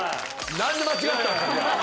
何で間違ったんすか。